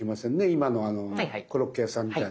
今のコロッケ屋さんみたいな。